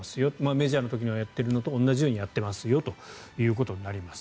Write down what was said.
メジャーの時にやっているのと同じようにやっていますよということになります。